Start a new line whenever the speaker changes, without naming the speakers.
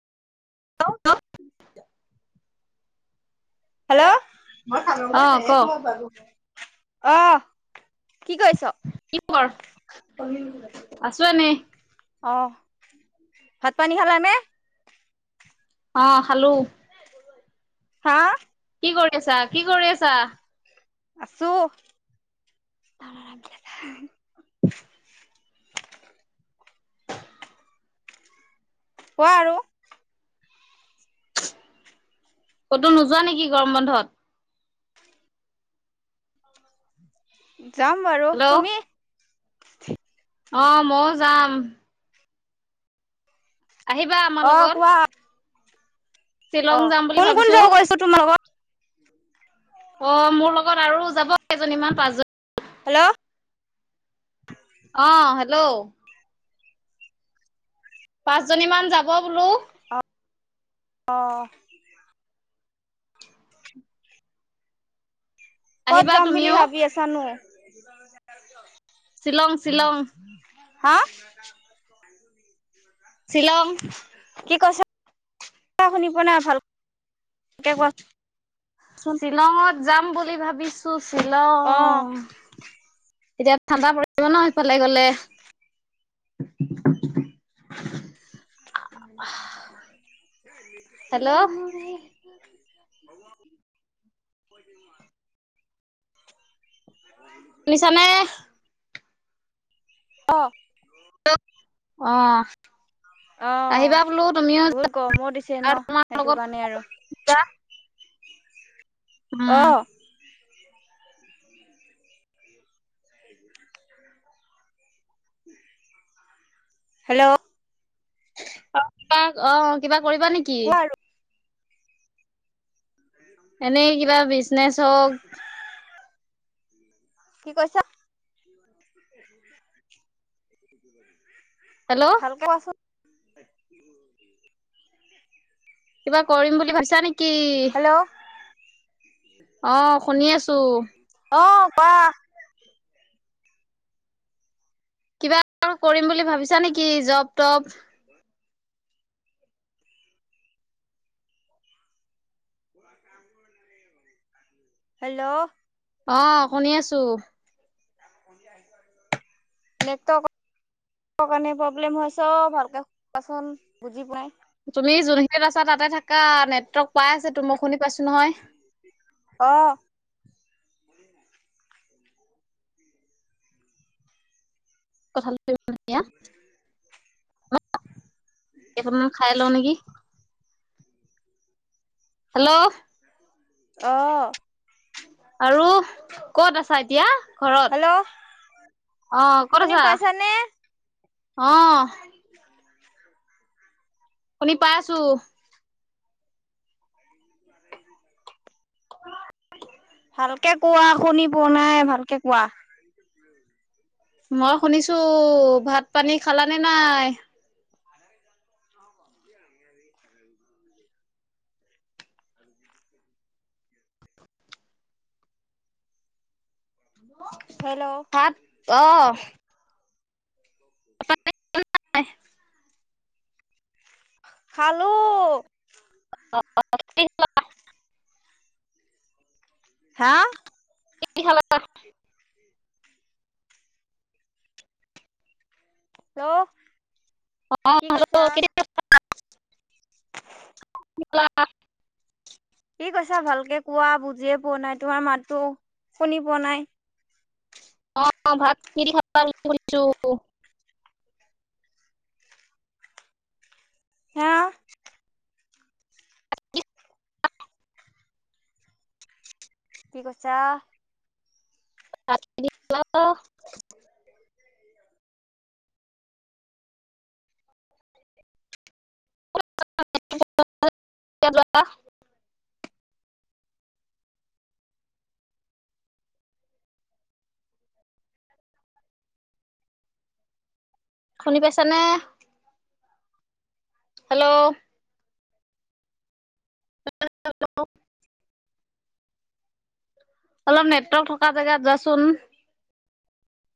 [unintelligible]
Hello
hello অ' ক
অ' কি কৈছ?
কি খবৰ? আছো এনেই।
অ ভাত পানী খালা নে
অ খালো।
হা
কি কৰি আছা কি কৰি আছা
আছো
উম
কোৱা আৰু
কতো নোযোৱা নেকি গৰম বন্ধত
যাম বাৰু
হেল্ল'
তুমি
অ ময়ো যাম। আহিবা আমাৰ
অ
লগত
কোৱা
শ্বিলং
অ'
যাম বুলি
কোন কোন
ভাবিছো
জ গৈছ তোমাৰ লগত
অ' মোৰ লগত আৰু যাব কেইজনীমান পাঁচজনি
হেল্ল [unintelligible]
অ হেল্ল পাঁচজনী মান যাব বোলো।
অ ক'ত
আহিবা
যাম বুলি
তুমিও
ভাবি আছানো
শ্বিলং শ্বিলং
হা
শ্বিলং
কি কৈছা শুনি পোৱা নাই ভালকে কোৱাচোন
শ্বিলঙত যাম বুলি ভাবিছো শ্বিলং
অ
এতিয়া ঠাণ্ডা পৰিব ন সেইফালে গ'লে। [unintelligible] হেল্ল
[unintelligible]
শুনিছানে
অ
অহ
অ' বহুত গৰমো দিছে
যাবা
নহ
তোমাৰ
সেইটো
লগত
কাৰণে আৰু
[unintelligible]
অ
উম
হেল্ল
অ কিবা অ কিবা কৰিবা নেকি?
কোৱা আৰু
এনেই কিবা বিজনেচ হওঁক
কি কৈছা?
হেল্ল'
ভালকে কোৱাছোন।
কিবা কৰিম বুলি ভাবিছা নেকি
হেল্ল
অ শুনি আছো।
অ কোৱা
কিবা কৰিম বুলি ভাবিছা নেকি জব তপ
হেল্ল
অ' শুনি আছো।
নেকট নেৰ্টৱকৰ কাৰণে প্ৰব্লেম অ, ভালকে কোৱাচোন বুজি পোৱাই?
তুমি যোনখিনিত আছা তাতে থাকা, নেটৱৰ্ক পাই আছে তো, মই শুনি পাইছো নহয়।
অঁ
কথা [inaudible] কেইটামান খাই লওঁ নেকি? হেল্ল'?
অ'
আৰু ক'ত আছা এতিয়া?
হেল্ল'
ঘৰত, অহ ক'ত
শুনি
আছা?
পাইছানে
অহ
উম। [inaudible]
শুনি পাই আছো। [unintelligible]
ভালকে কোৱা শুনি পোৱা নাই, ভালকে কোৱা? উম [unintelligible]
মই শুনিছো। ভাত- পানী খালানে নাই? হেল্ল'?
হেল্ল'?
ভাত অ' [unintelligible]
খালো
অ, অ, অ
হা?
কি খালা?
হেল্ল?
অ
কি
হেল্ল,
কৈছা
কি খালা? খ লা [unintelligible]
কি কৈছা ভালকে কোৱা বুজিয়ে পোৱা নাই, তোমাৰ মাততো শুনি পোৱা নাই?
অ', ভাত কি খালা কৈছোঁ?
এয়া কি কৈছা?
[inaudible] [inaudible] শুনি পাইছানে? হেল্ল'? [unintelligible] অলপ নেটৱৰ্ক থকা জেগাত যাচোন?